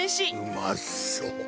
「うまそう」